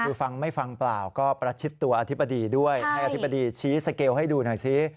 คือฟังไม่ฟังเปล่าก็ประชิดตัวอธิบดีด้วยให้อธิบดีชี้สเกลให้ดูหน่อยซิ